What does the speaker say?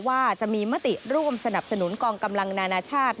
ว่าจะมีมติร่วมสนับสนุนกองกำลังนานาชาติ